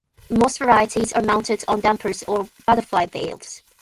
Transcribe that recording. Most varieties are mounted on dampers or butterfly valves.